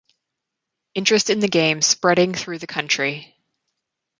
Interest in the game spreading through the county.